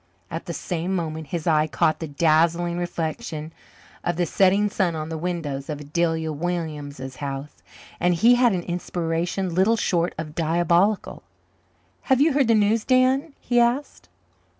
At the same moment his eye caught the dazzling reflection of the setting sun on the windows of Adelia Williams's house, and he had an inspiration little short of diabolical. "Have you heard the news, Dan?" he asked.